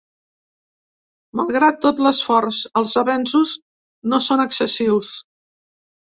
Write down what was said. Malgrat tot l’esforç, els avenços no són excessius.